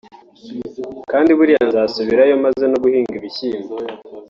kandi buriya nzasubirayo maze no guhinga ibishyimbo”